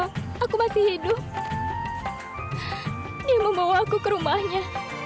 hai aku masih hidup dia membawa aku ke rumahnya